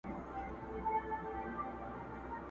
نه به شرنګ د آدم خان ته درخانۍ کي پلو لیري؛